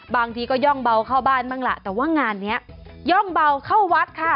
บางทีก็ย่องเบาเข้าบ้านบ้างล่ะแต่ว่างานนี้ย่องเบาเข้าวัดค่ะ